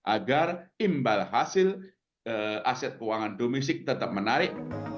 agar imbal hasil aset keuangan domestik tetap menarik